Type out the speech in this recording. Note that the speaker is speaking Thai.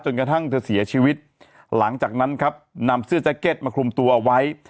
กระทั่งเธอเสียชีวิตหลังจากนั้นครับนำเสื้อแจ็คเก็ตมาคลุมตัวเอาไว้